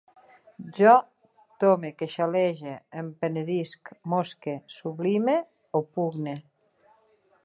Jo tome, queixalege, em penedisc, mosque, sublime, opugne